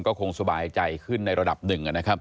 ก็คงสบายใจขึ้นในระดับหนึ่งนะครับ